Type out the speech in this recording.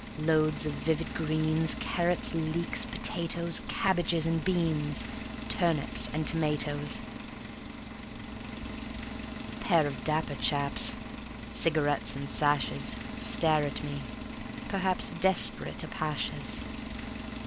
Loads of vivid greens, Carrots, leeks, potatoes, Cabbages and beans, Turnips and tomatoes. Pair of dapper chaps, Cigarettes and sashes, Stare at me, perhaps Desperate Apachès.